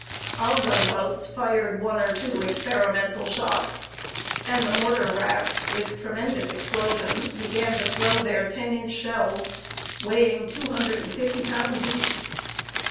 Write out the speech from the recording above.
Our gunboats fired one or two experimental shots, and the mortar rafts, with tremendous explosions, began to throw their ten inch shells, weighing two hundred and fifty pounds each.